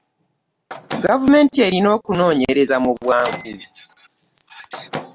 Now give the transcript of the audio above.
Gavumenti erina okunoonyereza mu bwangu.